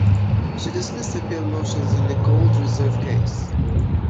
She dismissed appeal motions in the Gold Reserve case.